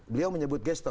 beliau menyebut gestok